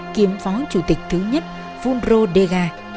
kiếm phó chủ tịch thứ nhất fungro dega